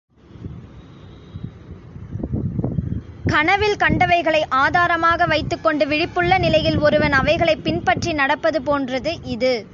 கனவில் கண்டவைகளை ஆதாரமாக வைத்துக் கொண்டு விழிப்புள்ள நிலையில் ஒருவன் அவைகளைப் பின்பற்றி நடப்பது போன்றது இது.